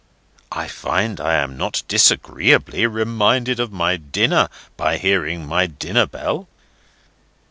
I find I am not disagreeably reminded of my dinner, by hearing my dinner bell.